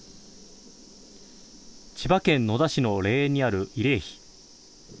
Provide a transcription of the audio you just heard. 千葉県野田市の霊園にある慰霊碑。